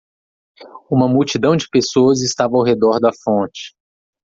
Uma multidão de pessoas estava ao redor da fonte.